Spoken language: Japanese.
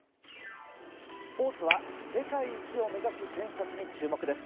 スポーツは世界一を目指す選手たちに注目です。